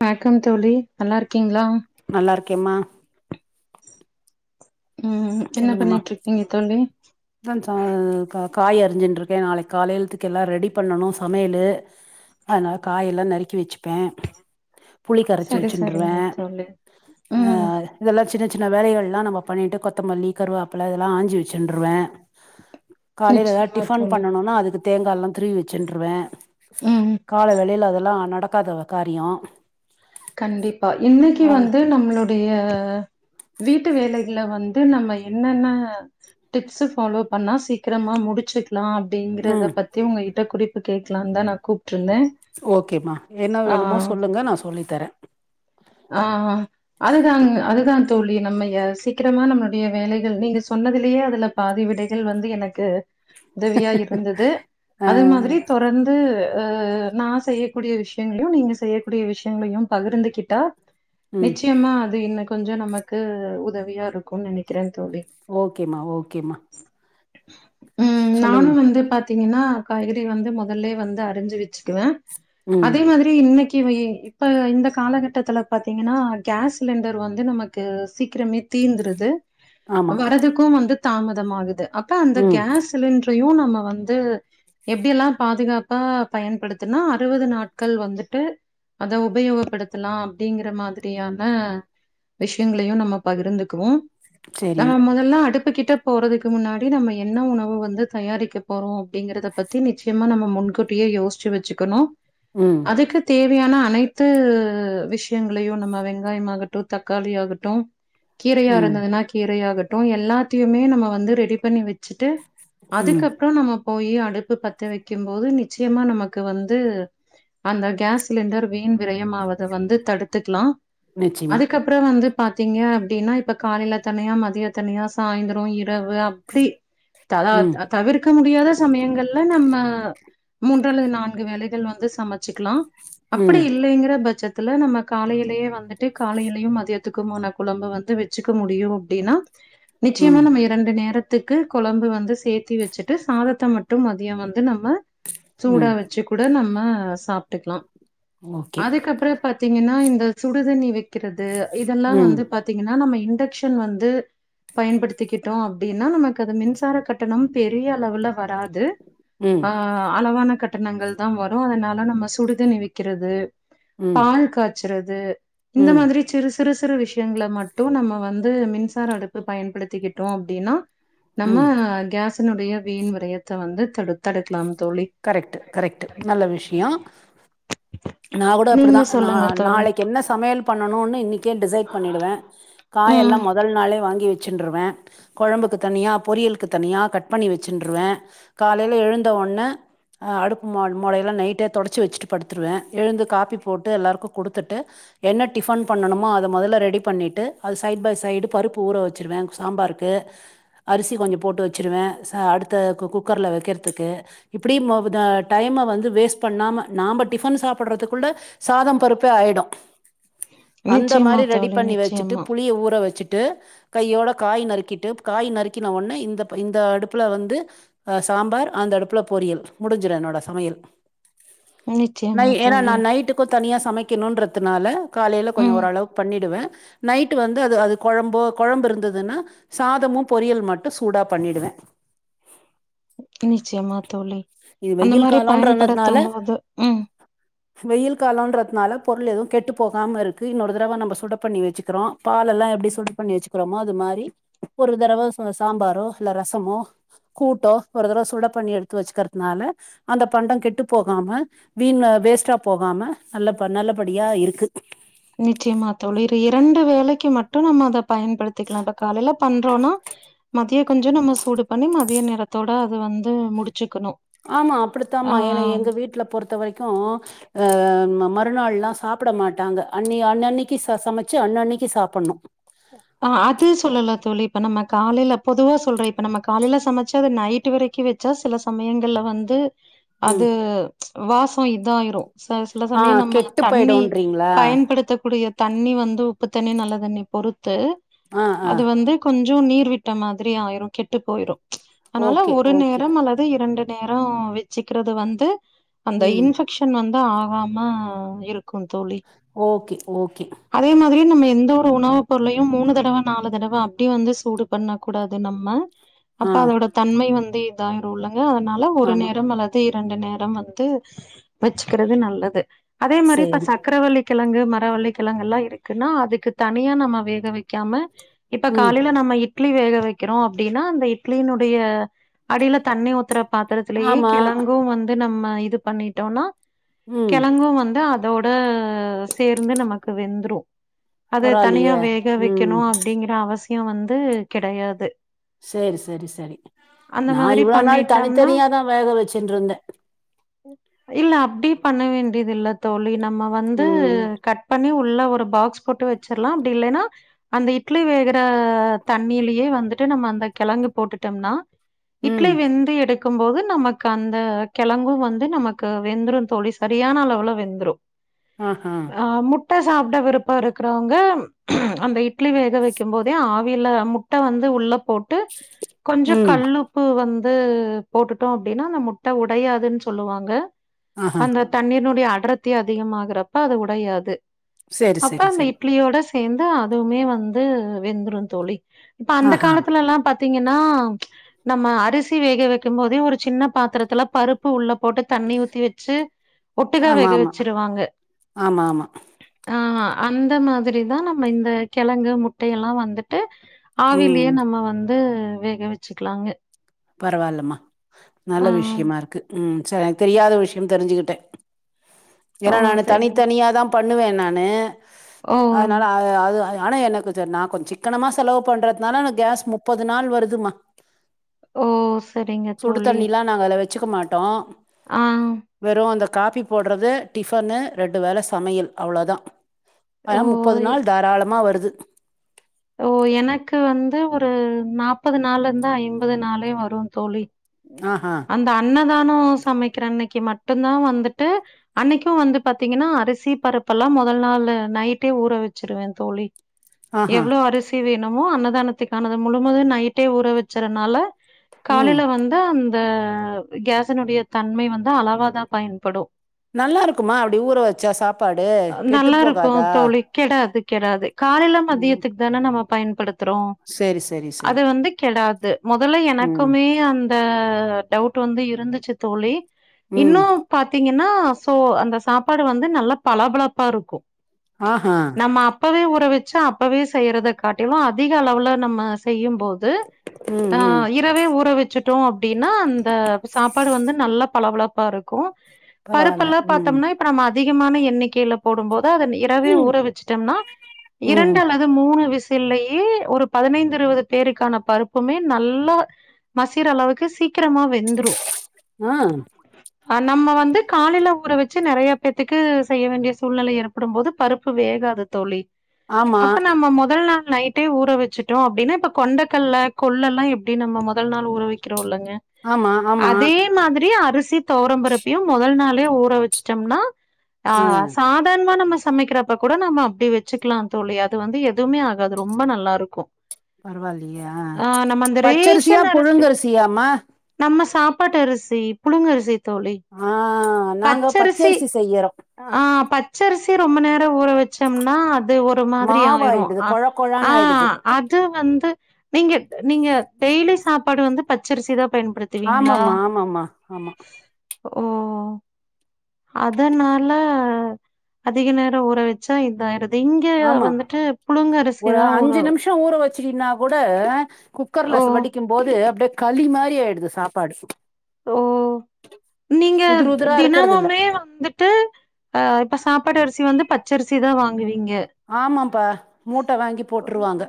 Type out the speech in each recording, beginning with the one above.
வணக்கம் தோழி நல்லா இருக்கீங்களா நல்லா இருக்கேம்மா உம் என்ன சொல்லுங்கம்மா பண்ணிட்டு இருக்கேங்க தோழி காய் அரிஞ்சுட்டு இருக்கே நாளைக்கு காலையத்துக்கு எல்லாம் ரெடி பண்ணணும் சமையலு அதனால காயெல்லாம் நறுக்கி வச்சுப்பே புளி கரைச்சி சரி வச்சுன்ருவே சரிங்க தோழி ம் இதெல்லா சின்ன சின்ன வேலைகள்லா நம்ம பண்ணிட்டு கொ த்தமல்லி கருவேப்பில இதெல்லா ஆஞ்சு வச்சுருவே காலையில ஏதாச்சும் நிச்சயமா டிபன் தோழி பண்ணனும்னா அதுக்கு தேங்கால்லாம் திருவி வச்சுட்டுருவே ம் கால வேல அதெல்லா நடக்காத காரியம் கண்டிப்பா இன்னைக்கு வந்து நம்மளுடைய வீட்டு வேலைகல வந்து நம்ம என்னென்ன டிப்ஸ்ஸு பலோ பண்ணா சீக்ரமா முடிச்சு க்கலா ம் அப்படிங்கறத பத்தி உங்க கிட்ட குறிப்பு கேட்கலாம்னுதா நா கூப்பிட்டு இருந்தே ஓகேம்மா என்ன வேணுமோ சொல்லுங்க நா சொல்லி தரே ஆ அதுதா அதுதா தோழி நம்மய சீக்கிரமா நம்மளுடைய வேலைகள் நீங்க சொன்னதுலேயே அதுல பாதி விடைகள் வந்து எனக்கு உதவியா இருந்தது ஆ அதே மாதிரி தொடர்ந்து ஆ நா செய்யக் கூடிய விஷ்யங்களயு நீங்க செய்யக் கூடிய விஷ்யங்களையு பகிர்ந்துகிட்டா ம் நிச்சியமா அது இன்னு கொஞ்ச நமக்கு உதவியா இருக்குன் நெனைக்கிற தோழி ஓகேமா ஓகேமா ம் நானு வந்து பாத்தீங்கனா காய்கறி வந்து மொதல்லேயே வந்து அறிஞ்சி வச்சுக்குவே ம் அதே மாதிரி இன்னைக்கு வை இ இப்ப இந்த காலகட்டத்துல பாத்திங்கனா கேஸ் சிலிண்டர் வந்து நமக்கு சீக்கிரமே தீந்துருது ஆமா வரதுக்கு வந்து தாமதம் ஆகுது அப்ப அந்த ம் கேஸ் சிலிண்ட்ரையு நம்ம வந்து எப்டியெல்லா பாதுகாப்பா பயன்படுத்துனா அறுவது நாட்கள் வந்துட்டு அத உபயோகப் படுத்தலா அப்டிங்கற மாதிரியான விஷியங்களையு நம்ம பகிர்ந்துக்குவோ சரி நம்ம மொதல்ல அடுப் பு கிட்ட போறதுக்கு முன்னாடி நம்ம என்ன உணவு வந்து தயாரிக்க போறோ அப்டிங்கறத பத் தி நிச்சியமா நம்ம முன்கூட்டியே யோச்சு வச்சுக்கணு ம் அதுக்கு தேவையான அனைத்து விஷ் யங்களையு நம்ம வெங்காயமாகட்டு தக்காளி ஆகட்டு கீரையா ம் இருந்ததுனா கீரையாக ட்டு எல்லாத்தியுமே நம்ம வந்து ரெடி பண்ணி வச்சிட்டு ம் அதுக்கப்றோ நம்ம போயி அடுப்பு பத்த வைக்கு போது நிச்சியமா நமக்கு வந்து அந்த கேஸ் சிலிண்டர் வீண் விரயமாவத வந்து தடுத்துக்லா நிச்சயமா அதுக்கப் றோ வந்து பாத்தீங்க அப்டின்னா இப்ப காலைல தனியா மதிய தனியா சாய்ந்தரோ இரவு அப் பிலி தலா ம் அ தவிர்க் க முடியாத சமயங்கள்ல நம்ம மூன்று அல்லது நான்கு வேலைகள் வந்து சமச்சிக்கலா அப்டி ம் இல்லைங்கிற பட்சத்துல நம்ம காலையிலியே வந்துட்டு காலையிலியு மதியத்துக்குமான குழம்பு வந்து வெச்சுக்க முடியு அப்டினா நிச்சயமா ம் நம்ம இரண்டு நேரத்துக்கு குழம்பு வந்து சேத்தி வச்சிட்டு சாதத்த மட்டு மதிய வந்து நம்ம சூடா ம் வச்சு கூட நம்ம சாப்ட்டுக்லா ஓகே அதுக்கப்றோ திங்கனா இந்த சுடுதண்ணி வெக்கிறது இதெல்லா ம் வந்து பாத்தீங்கனா நம்ம இண்டக்க்ஷன் வந்து பயன் படுத்திக்கிட்டோ அப்டின்னா நமக்கு அது மின்சார கட் கட்டணம் பெரிய அளவுள வராது ம் அ அளவான கட் கட்டணங்கள் தா வரு அதனால நம்ம சுடுதண்ணி வெக்கிறது ம் வச்சறது இந்த ம் மாதிரி சிறு சிறு சிறு விஷ்யங்கள மட்டு நம்ம வந்து மின்சார அடுப்பு பயன் படுத்திக்கிட்டோ அப்டினா நம்ம ம் கேஸனுடைய வீண் விரையத்த வந்து தடு தடுக்லாம் தோழி கரெக்ட்டு கரெக்ட்டு நல்ல விஷியோ நா கூட நீங்க அப்டிதா நா சொல்லுங்க தோழி. நாளைக்கு என்ன சமையல் பண்ணணுனு இன்னைக்கே டிசைட் பண்ணிடுவே காயெல்லா ம். மொதல் நாளே வாங்கி வ சென்றுருவே கொழம்புக்கு தனியா பொரியலுக்கு தனியா கட் பண்ணி வச்சின்ருவே காலையில எழுந்த ஒன்ன அ அடுப்பு மாட் மாடையெல்லா நைட்டே தொடச்சி வச்சிட்டு படுத்துருவே எழுந்து காப்பி போட்டு எல்லாருக்கு குடுத்துட்டு என்ன டிஃபன் பண்ணணுமோ அத மொதல்ல ரெடி பண்ணிட்டு அது சைட் பை சைடு பருப்பு ஊற வச்சிருவேங் சாம்பாருக்கு அரிசி கொஞ்சோ போட்டு வச்சுருவே ச அடுத்த குக்கர்ல வக்கிறதுக்கு இப்டி மௌ அ டைம்ம வந்து வேஸ்ட் பண்ணாம நாம்ப டிஃபன் சாப்புட்றதுக்குள்ளே சாதம் பருப்பே ஆயிடு அந்த நிச்சயமா மாரி ரெடி தோழி, பண்ணி வச்சுட்டு நிச்சயமா, புளிய ஊற வச்சுட்டு கையோட காய் நறுக்கிட்டு காய் நறுக்கின ஒட்னே இந்த இந்த அடுப்புல வந்து அ சாம்பார் அந்த அடுப்புல பொரியல் முடிஞ்சுரு என்னோட சமையல் நை நிச்சயமா ஏன்னா தோழி. நா நைட்டுக் கு தனியா சமைக்கனுன்றதுனால காலையையில கொஞ்சோ ம் ஓரளவுக்கு பண்ணிருவே நைட்டு வந்து அது அது கொழம்போ கொழம்பு இருந்துதுன்னா சாதமு பொரியல் மட்டு சூடா பண்ணிடுவே நிச்சயமா தோழி இது அந்த வெயில் மாதிரி காலம்ன்றதுனால பயன்படுத்து போது ம் வெயில் காலன்றதுனால பொருள் எதுவு கெட்டு போகாம இருக்கு இன்னொரு தடவ நம்ம சுட பண்ணி வச்சுக்கிறோ பாலலெல்லா எப்டி சுடு பண்ணி வச்சக்கிறோமோ அது மாதிரி ஒரு தறவ சாம்பாரோ இல்ல ரசமோ கூட்டோ ஒரு தறவ சுட பண்ணி எடுத்து வச்சுக்கிறதுனால அந்த பண்டோ கெட்டு போகாம வீண் வேஸ்ட்டா போகாம நல்ல நல்லபடியா இருக்கு நிச்சயமா தோழி இரண்டு வேளைக்கு மட்டு நம்ம அத பயன்படுத்திக்லா இப்ப காலையில பண்றோனா மதியோ கொஞ்சோ நம்ம சூடு பண்ணி மதிய நேறத்தோட வந்து முடிச்சுக்கணு ஆமா ஆ அப்படித்தாம ஏனா எங்க வீட்ல பொறுத்த வரைக்கு அ மறுநாள்ல்லா சாப்ட மாட்டாங்க அன்னி அன்னன்னைக்கு சமைச்சு அன்னன்னைக்கு சாப்புட்ணு ஆ அது சொல்லல தோழி இப்ப நம்ம காலையில பொதுவா சொல்றே இப்ப நம்ம காலையில சமைச்சா அது நைட் வரைக்கு வெச் ச்சா சில சமயங்கள்ல வந்து அது உம் வாசோ இதாயிரு ச சில சமயோ ஆஹ் நம்ம கெட்டு தண்ணி போயிடும்ன்றீங்களா பயன்படுத்தக்கூடிய தண்ணி வந்து உப்பு தண்ணி நல்ல தண்ணி பொறுத்து ஆ ஆ அது வந்து கொஞ்சோ நீர் விட்ட மாதிரி ஆயிரு கெட்டு பொயிரு அதனால ஓகே ஒரு ஓகே நேரம் அல்லது இரண்டு நேரோ வச்சுக்கிறது வந்து அந்த ம் இன்பெக் ஷன் வந்து ஆகாம இருக்கு தோழி ஓகே ஓகே அதே மாதிரி நம்ம எந்த ஒரு உணவு பொருளையு மூணு தடவ நாலு தடவ அப்டி வந்து சூடு பண்ண கூடாது நம்ம அப்ப ஆ அதோட தன்மை வந்து இதாய்ருள்ளங்க அதனால ஒரு ஆமா நேரம் அல்லது இரண்டு நேரம் வந்து வச்சுக்கிறது நல்லது அதே மாதிரி இப்ப சரி சக்கரவள்ளி கெழங்கு மரவள்ளி கெழங்கெல்லா இருக்குன்னா அதுக்கு தனியா நம்ம வேக வைக்காம இப்ப ம் காலையில நம்ம இட்லி வேக வைக்கிறோ அப்டின்னா அந்த இட்லியினுடைய அடியில தண்ணி ஊத்துற பாத்திரத்திலேயே ஆமா கெழங்கு வந்து நம்ம இது பண்ணிட்டோனா ம் கெழங்கு வந்து அ தோட சேர்ந்து நமக்கு வெந்ரு அது தனியா பரவாயில்லையே வேக ம் வைக்கணு அப்டிங்ற அவசியோ வந்து கெடையாது சேரி சேரி சேரி நா மாதிரி இவ்ளோ நாள் பண்ணிட்டோம்னா தனித்தனியாதா வேக வச்சுன்ட்ருந்தே இல்ல அப்டி பண்ண வேண்டியது இல்ல தோழி நம்ம வந்து ம் கட் பண்ணி உள்ள ஒரு பாகஸ் போட்டு வச்சிற்லா அப்டி இல்லன்னா அந்த இட்லி வேகுற தண்ணியிலே வந்துட்டு நம்ம அந்த கெழங்கு போட்டுட்டோம்னா இட்லி ம் வெந்து எடுக்கும் போது நமக்கு அந்த கெழங்கும் வந்து நமக்கு வெந்ரு தோழி சரியான அளவுல வெந்ரு ஆஹா அ முட்ட சாப்ட விருப்போ இருக்றவங்க அந்த இட்லி வேக வைக்கும் போதே ஆவில்ல முட்ட வந்து உள்ள போட்டு கொஞ்சோ ம் கல்லுப்பு வந்து போட்டுட்டோ அப்டின்னா அந்த முட்ட உடையாதுன் சொல்லுவாங்க ஆஹா அந்த தண்ணீர்னுடைய அடர்த்தி அதிகமாகுறப்ப அது உடையாது சரி அப்ப சரி அந்த சரி இட்லியோட சேந்து அதுவுமே வந்து வெந்துரும் தோழி இப்ப அந்த ஆஹா காலத்துல எல்லா பாத் தீங்கன்னா நம்ம அரிசி வேக வெக்கும் போதே ஒரு சின்ன பாத்தரத்துல பருப் பு உள்ள போட்டு தண்ணி ஊத்தி வச்சு ஒட்டுகா ஆமா வேக ஆமா வச்சிருவாங்க ஆமா ஆமா ஆ அந்த மாதிரிதா நம்ம இந்த கெழங்கு முட்டைய எல்லா வந்துட்டு ம் ஆவிலயு நம்ம வந்து வேக வச்சுக்கலாங்க பரவால்லமா நல்ல ஆ விஷயமா இருக்கு ம் சேரி எனக்கு தெரியாத விஷயம் தெரிஞ்சுக்கிட்டே ஓ ஏன்னா நா சரிங்க தனித்தனியா தா பண்ணுவே நானு ஓ அதனால அ அ அ ஆனா எனக்கு ச நா கொஞ்சோ சிக்கனமா செலவு பண்றதுனால எனக்கு கேஸ் முப்பது நாள் வருதுமா ஓ சரிங்க சுடு தோழி தண்ணி எல்லா நாங்க அகா வச்சுக்க மாட்டோ ஆ வெறும் அந்த காபி போட்றது டிஃபன்னு ரெண்டு வேல சமையல் அவ்ளோதா ஆனா முப்பது ஓ நாள் தாராளமா வருது ஓ எனக்கு வந்து ஒரு நாப்பது நாள்ல இருந்து ஐம்பது நாளே வரும் தோழி அ ஆ அந்த அன்னதானம் சமைக்கிற அன்னைக்கு மட்டுந்தா வந்துட்டு அன்னைக்கும் வந்து பாத்தீங்கன்னா அரிசி பருப்பல்லா முதல் நாளு நைட்டே ஊற வச்சிருவே தோழி ஆஹா. எவ்ளோ அரி சி வேணுமோ அன்னதானத்துக்கானது முழுவதும் நைட்டே ஊற வச்சறனால ம். காலையில வந்து து அந்த கேஸ்னுடைய தன்மை வந்து அளவாதா பயன்படும் நல்லா இருக்குமா அப்டி ஊற வச்சா சாப்பாடு கெட்டு நல்லாருக்கும் போகாதா தோழி. கெடாது கெடாது காலைல ம். மதியத்துக்கு தானே நம்ம பயன்படுத்தறோ சரி, சரி, சரி. அது வந்து கெடாது மொதல்ல ம், எனக்குமே கே அந்த டவுட் வந்து இருந்துச்சி தோழி ம். இன்னும் பாத்தீங்கன்னா சோ அந்த சாப்பாடு வந்து நல்லா பளபளப்பா இருக்கும் அ ஆ நம்ம அப்பவே உறவிச்சு அப்பவே செய்யறத காட்டிலும் அதிக அளவுல நம்ம செய்யும் போ து ம், ஆ ம். இரவே ஊற வச்சுட்டோ அப்டின்னா அந்த சாப்பாடு வந்து நல்லா பளபளப்பா இருக்கும் பரவால்ல. பருப்பெல்லா ம், பாத்தம்னா இப்ப நம்ம அதிகமான எண்ணிக்கைல போடும் போது அத இரவே ம், ஊற வச்சுட்டோம்னா ம். இரண்டு அல்ல து மூணு விசில்லயே ஒரு பதினைந்து இருவது பேருக்கான பருப்புமே நல்லா மசீர அளவுக்கு சீக்கிரமா வெந்துரும் ம் அ நம்ம வந்து காலைல ஊற வச்சு நிறைய பேத்துக்கு செய்ய வேண்டிய சூழ்நிலை ஏற்படும் போது பருப் பு வேகாது தோழி ஆமா அப்ப நம்ம மொதல் நாள் நைட் டே ஊற வச்சிட்டோ அப்டின்னா இப்ப கொண்டக்கல்ல கொல் எல்லா எப்டி நம்ம மொதல் நாள் ஊற வெக்கிறோ இல்லங்க ஆமா ஆமா அதே மாதிரி அரிசி துவரம்பருப்பையு மொதல் நாளே ஊற வச்சுட்டம்ன்னா ஆ சாதாரணமா நம்ம சமைக்கிற இப்ப கூட நம்ம அப்டி வச்சிக்கலா தோழி அது வந்து எதுமே ஆகாது ரொம்ப நல்லா இருக்கும் பரவால்லயே ஆ அந்த பச்சரிசியா ரேஷன் அரிசி புழுங்க அரிசியாமா நம்ம சாப்பாட்டு அரிசி புழுங்க அரிசி தோழி ஆ நாங்க பச்சரிசி செய்யறோ ஆ பச்சரிசி ரொம்ப நேரம் ஊற வச் ச்சம்னா அது ஒரு மாதிரி ஆயிரு மாவாயிடுது கொழ ஆ கொழான்னு ஆயிடுது ஆ அது வந்து நீங்க நீங்க டெய்லி சாப்பாடு வந்து பச்சரிசி தா பயன்படுத் ஆமாமா ஆமாமா ஆமா ஓ அதனால அதிக நேரோ ஊற வச்சா இதாய்ரு இங்க ஆமா வந்துட்டு புழுங்க அரிசி தா ஊறு ட ஊற வச்சிட்டின்னா கூட குக்கர்ல ஓ வடிக்கும் போது அப்டியே களி மாரி ஆய்டுது சாப்பாடு ஓ நீங்க உதிரு உதிரா இருக்கறது இல்ல தினமமே வந்து ட்டு அ இப்ப சாப்பாடு அரிசி வந்து பச்சரிசி தா வாங்குவீங்க ஆமாப்பா மூட்ட வாங்கி போட்ருவாங்க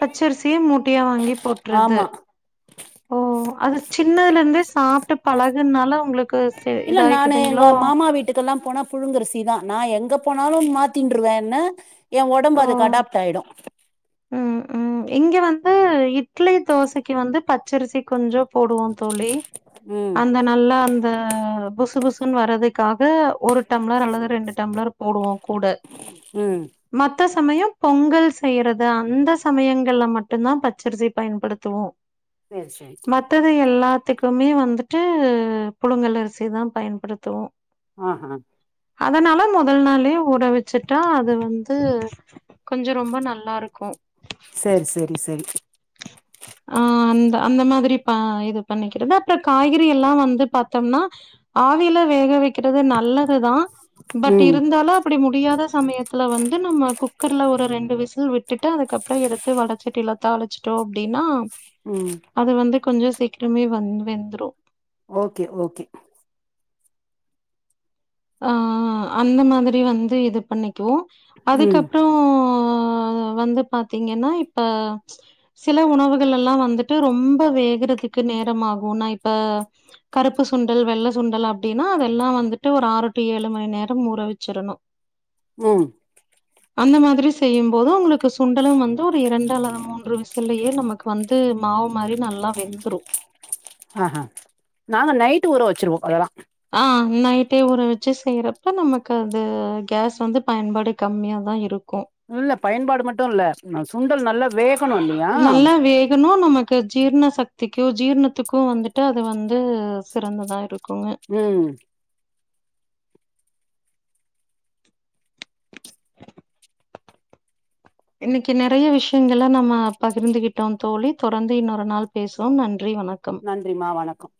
பச்சரிசியே மூட்டையா வாங்கி போட்டுறது ஆமா ஓ அது சின்னதுல இருந்தே சாப்ட்டு பழகுனால உங்களுக்கு செ இல்ல நானு இதாயிக்குதுங்களோ எங்க மாமா வீட்டுக்கெல்லாம் போனா புழுங்கரிசிதா நா எங்க போனாலு மாத்தின்ருவன்னு எ ஒடம்பு ஓ அதுக்கு அடப்ட் ஆய்டு ம் ம் இங்க வந்து இட்லி தோசைக்கு வந்து பச்சரிசி கொஞ்சோ போடுவோ தோழி ம் அந்த நல்லா அந்த புசு புசுன்னு வர்றதுக்காக ஒரு டம்ளர் அல்லது ரெண்டு டம்ளர் போடுவோ கூட ம் மத்த சமயோ பொங்கல் செய்யறது அந்த சமயங்கள்ல மட்டுந் தா பச்சரிசி பயன்படுத்துவோ சேரி சேரி மற்றது எல்லாத்துக்குமே வந்துட்டு புழுங்கல் அரிசி தா பயன்படுத்துவோ ஆஹா அதனால மொதல் நாள்ளே ஊற வச்சுட்டா அது வந்து து கொஞ்சோ ரொம்பா நல்லாருக்கு சரி சரி சரி ஆ அந்த அந்த மாதிரி பா இது பண்ணிக்கிறது அப்புறோ காய்கறி எல்லா வந்து பாத்தம்னா ஆவில வேக வைக்கிறது நல்லதுதா பட் ம் இருந்தாலு அப்படி முடியாத சமயத்துல வந்து நம்ம குக்கர்ல ஒரு ரெண்டு விசில் விட்டுட்டு அதுக்கப்புறோ எடுத் து வடச்சட்டில தாழிச்சிட்டோ அப்டின்னா ம் அது வந்து கொஞ்சோ சீக்கிரமே வந் வெந்துடு ஓகே ஓகே ஆ அந்த மாதிரி வந்து இது பண்ணிக்குவோ ம் அதுக்கப்றோ ஆ வந்து பாத்தீங்கன்னா இப்ப சில உணவுகள் எல்லா வந்துட்டு ரொம்ப வேகுறதுக்கு நேரமாகு நா இப்ப கருப்பு சுண்டல் வெள்ள சுண்டல் அப்டின்னா அதெல்லா வந்துட்டு ஒரு ஆறு டூ ஏழு மணி நேரம் ஊற வச்சிரணு ம் அந்த மாதிரி செய்யும் போது உங்களுக்கு சுண்டலும் வந்து ஒரு இரண்டு அல்லது மூன்று விச சில்லையே நமக்கு வந்து மாவு மாதிரி நல்லா வெந்துரு ஆ ஹ நாங்க நைட்டு் ஊர வச்சிருவோ அதெல்லா ஆ நைட்டே ஊற வச்சு செய்றப்ப நமக்கு அது கேஸ் வந்து பயன்படு கம்மியாக தா இருக்கு இல்ல பயன்பாடு மட்டும் இல்ல சுண்டல் நல்ல நல்லா வேகணும் நமக்கு ஜீர்ண சக்திக்கும் ஜீர்ணத்துக்கும் வந்துட்டு அது வந்து சிறந்ததா இருக்குங்க ம் இன்னைக்கு நிறைய விஷயங்கல நம்ம பகிர்ந்துகிட்டோம் தோழி தொடர்ந்து இன்னொரு நாள் பேசுவோ நன்றி வணக்கம் நன்றிமா வணக்கம்